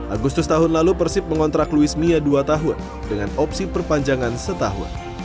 agustus tahun lalu persib mengontrak louis mia dua tahun dengan opsi perpanjangan setahun